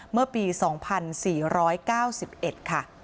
เมื่อปีสองพันสี่ร้อยเก้าสิบเอ็ด